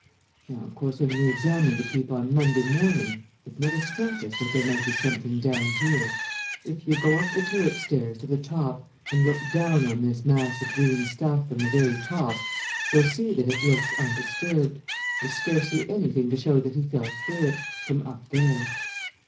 Now of course, when we examined the Keep on Monday morning, it never struck us that there might be something down here if you go up the turret stairs to the top and look down on this mass of green stuff from the very top, you'll see that it looks undisturbed; there's scarcely anything to show that he fell through it, from up there.